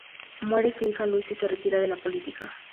Muere su hija Luisa, y se retira de la política.